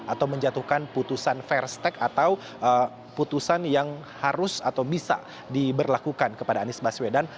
atau menjatuhkan putusan fair stake atau putusan yang harus atau bisa diberlakukan kepada anies baswedan